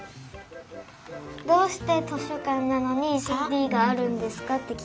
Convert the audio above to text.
どうして図書かんなのにＣＤがあるんですか？ってききたい。